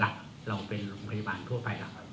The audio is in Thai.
เราเป็นพยาบาลโทษไปแล้ว